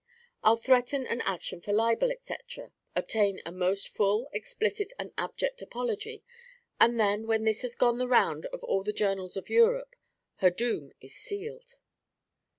I 'll threaten an action for libel, etc., obtain a most full, explicit, and abject apology, and then, when this has gone the round of all the journals of Europe, her doom is sealed!"